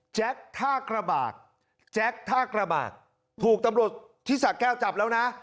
ท่ากระบากแจ็คท่ากระบากถูกตำรวจที่สะแก้วจับแล้วนะ